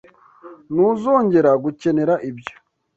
Ntuzongera gukenera ibyo.